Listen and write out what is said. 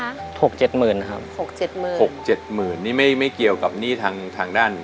๖๗ล้านบาทนี่ไม่เกี่ยวกับหนี้ทางด้าน